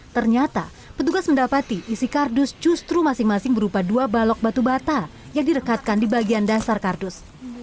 ternyata petugas mendapati isi kardus justru masing masing berupa dua balok batu bata yang direkatkan di bagian dasar kardus